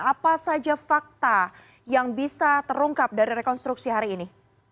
apa saja fakta yang bisa terungkap dari rekonstruksi hari ini